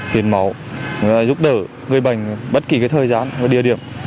tiền máu giúp đỡ gây bệnh bất kỳ cái thời gian và địa điểm